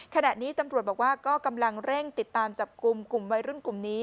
ขณะนี้ตำรวจบอกว่าก็กำลังเร่งติดตามจับกลุ่มกลุ่มวัยรุ่นกลุ่มนี้